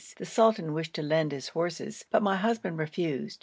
The sultan wished to lend his horses, but my husband refused.